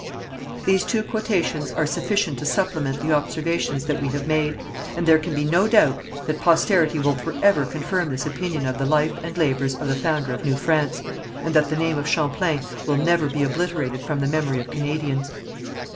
These two quotations are sufficient to supplement the observations that we have made, and there can be no doubt that posterity will forever confirm this opinion of the life and labours of the founder of New France, and that the name of Champlain will never be obliterated from the memory of Canadians.